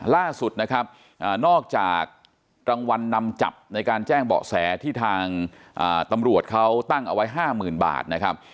ล่าสุดนะครับนอกจากรางวัลนำจับในการแจ้งเบาะแสที่ทางตำรวจเขาตั้งเอาไว้๕๐๐๐บาทนะครับ